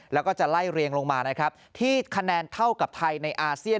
แล้วก็จะไล่เรียงลงมานะครับที่คะแนนเท่ากับไทยในอาเซียน